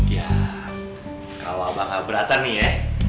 ya kalau abang abratan nih ya